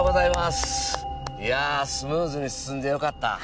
いやスムーズに進んでよかった。